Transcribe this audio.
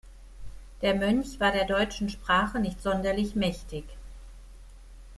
Der Mönch war der deutschen Sprache nicht sonderlich mächtig.